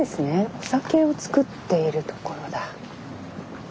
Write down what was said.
お酒を造っている所だ。